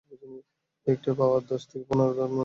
রিয়েক্টরের power দশ থেকে পনেরতে উন্নীত করুন।